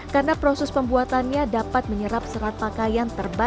karena proses pembuatannya dapat menyerap serat pakaian terbaik